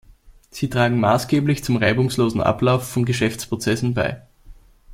Sie tragen maßgeblich zum reibungslosen Ablauf von Geschäftsprozessen bei.